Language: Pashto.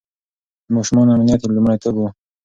د ماشومانو امنيت يې لومړيتوب و.